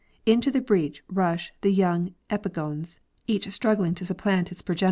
Into the breach rush the young epigones, each struggling to supplant its progenitor.